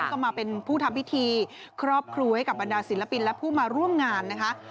ก็มาเป็นผู้ทำพิธีครอบครูให้กับบรรดาศิลปินและผู้มาร่วมงานนะคะ